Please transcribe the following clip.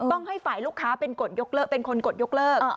ต้องให้ฝ่ายลูกค้าเป็นกฎยกเลิกเป็นคนกดยกเลิก